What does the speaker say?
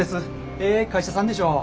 ええ会社さんでしょう。